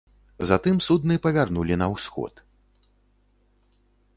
Затым судны павярнулі на ўсход.